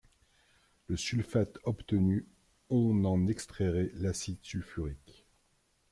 Le sulfate obtenu, on en extrairait l’acide sulfurique.